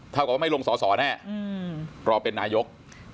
ถ้าบอกว่าไม่ลงสสแน่รอเป็นนายก